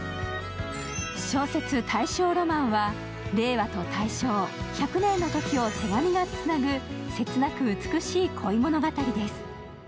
小説「大正浪漫」は令和と大正、１００年の時を手紙がつなぐ切なく美しい恋物語です。